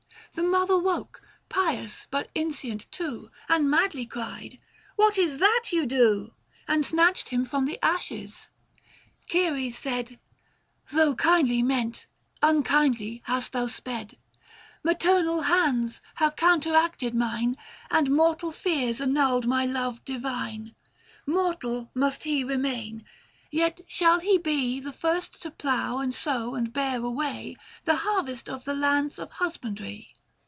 The mother woke — pious, but inscient too — And madly cried, " What is it that you do ?" And snatched him from the ashes. Ceres said, " Tho' kindly meant, unkindly hast thou sped ; 630 Maternal hands have counteracted mine, And mortal fears annull'd my love divine. Mortal must he remain ; yet shall he be The first to plough and sow and bear away The harvest of the lands of husbandry."